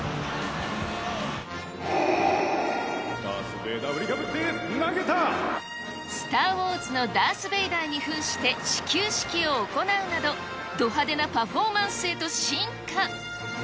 ダース・ベイダー、振りかぶスター・ウォーズのダース・ベイダーにふんして始球式を行うなど、ど派手なパフォーマンスへと進化。